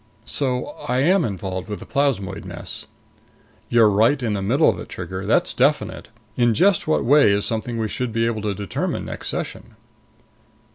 "So I am involved with the plasmoid mess?" "You're right in the middle of it, Trigger. That's definite. In just what way is something we should be able to determine next session."